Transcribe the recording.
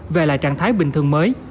về lại trạng thái bình thường mới